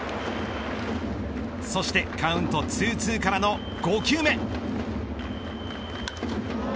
そして、カウント２‐２からの５球目。